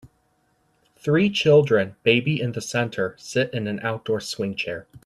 Three children, baby in the center, sit in an outdoor swing chair.